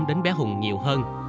đến bé hùng nhiều hơn